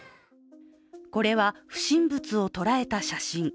これは不審物を捉えた写真。